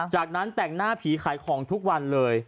จากนั้นแต่งหน้าผีขายของทุกวันเลย